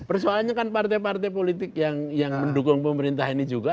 persoalannya kan partai partai politik yang mendukung pemerintah ini juga